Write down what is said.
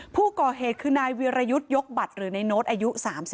ผู้ก่อเหตุคือนายวิรยุทธ์ยกบัตรหรือในโน้ตอายุ๓๒